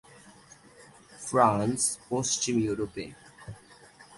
France পশ্চিম ইউরোপে।